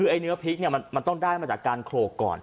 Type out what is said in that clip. แล้วก็เนื้อพริกต้องได้มาจากการโขลกก่อน